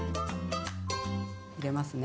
入れますね。